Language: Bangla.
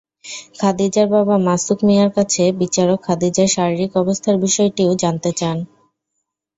খাদিজার বাবা মাসুক মিয়ার কাছে বিচারক খাদিজার শারীরিক অবস্থার বিষয়টিও জানতে চান।